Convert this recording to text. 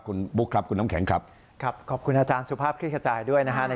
คุณบุ๊คครับคุณน้ำแข็งครับครับขอบคุณอาจารย์สุภาพคลิกขจายด้วยนะฮะ